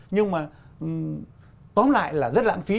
nhưng mà tóm lại là rất lãng phí